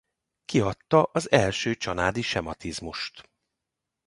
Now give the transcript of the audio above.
Kiadta az első csanádi sematizmust.